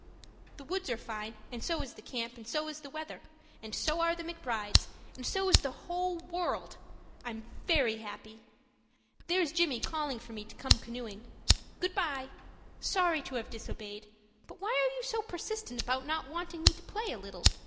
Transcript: The woods are fine, and so is the camp, and so is the weather, and so are the McBrides, and so is the whole world. I'm very happy! There's Jimmie calling for me to come canoeing. Goodbye sorry to have disobeyed, but why are you so persistent about not wanting me to play a little?